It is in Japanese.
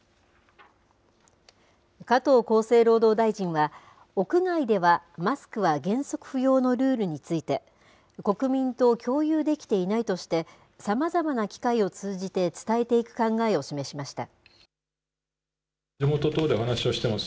加藤厚生労働大臣は、屋外ではマスクは原則不要のルールについて、国民と共有できていないとして、さまざまな機会を通じて伝えていく考えを示しました。